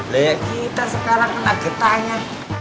lihat kita sekarang kena getahnya